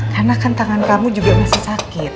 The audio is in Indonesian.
karena kan tangan kamu juga masih sakit